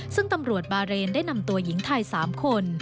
ซึ่งตำรวจบาเรนได้นำตัวหญิงไทย๓คน